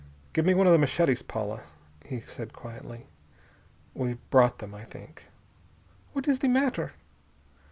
"Give me one of the machetes, Paula," he said quietly. "We brought them, I think." "What is the matter?"